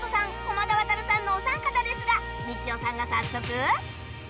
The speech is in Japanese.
駒田航さんのお三方ですがみちおさんが早速